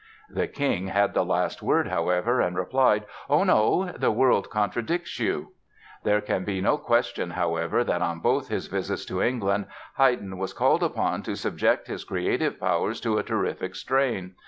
The King had the last word, however, and replied: "Oh, no; the world contradicts you." There can be no question, however, that on both his visits to England Haydn was called upon to subject his creative powers to a terrific strain.